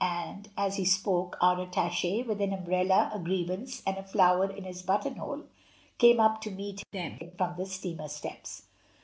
and, as he spoke, our attache, with an umbrella, a grievance, and a flower in his button hole, came up to meet them from the steamer steps.